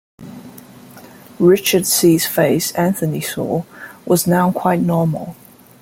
Richard C.'s face, Anthony saw, was now quite normal.